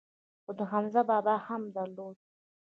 خو ده حمزه بابا هم درلود.